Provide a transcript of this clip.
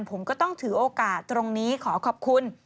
ผมก็ต้องถือโอกาสตรงนี้ขอขอบคุณ